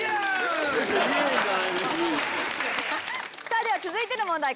さあでは続いての問題